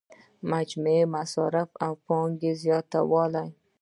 مجموعي مصارفو او پانګونې زیاتوالی.